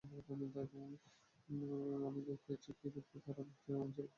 আমি দেখিয়াছি, কিরূপে তাহারা বক্তৃতামঞ্চের উপর আলোকের জন্য সমবেতভাবে চেষ্টা করে।